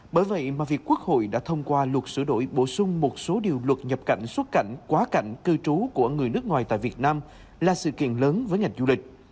bởi vậy mà việc quốc hội đã thông qua luật sửa đổi bổ sung một số điều luật nhập cảnh xuất cảnh quá cảnh cư trú của người nước ngoài tại việt nam là sự kiện lớn với ngành du lịch